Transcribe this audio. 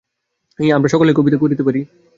ইহা আমরা সকলেই করিতে পারি।